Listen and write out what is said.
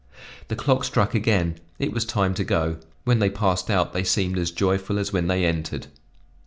The clock struck again; it was time to go; when they passed out they seemed as joyful as when they entered.